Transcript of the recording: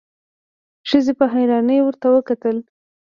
ښځې په حيرانی ورته وکتل.